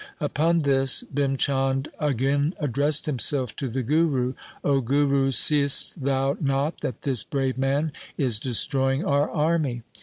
Upon this Bhim Chand again addressed himself to the Guru, ' O Guru, seest thou not that this brave man is destroying our army